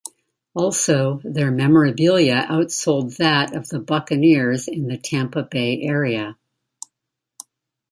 Also, their memorabilia outsold that of the Buccaneers in the Tampa Bay area.